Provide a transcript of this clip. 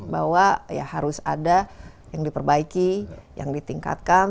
bahwa ya harus ada yang diperbaiki yang ditingkatkan